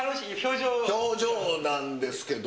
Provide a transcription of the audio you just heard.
表情なんですけれども。